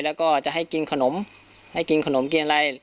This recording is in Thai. แล้วก็จะให้กินขนมให้กินขนมกินอะไร